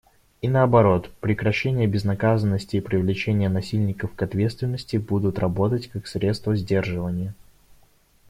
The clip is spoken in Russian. И наоборот, прекращение безнаказанности и привлечение насильников к ответственности будут работать как средство сдерживания.